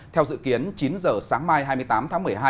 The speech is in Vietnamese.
theo dự kiến chín giờ sáng mai hai mươi tám tháng một mươi hai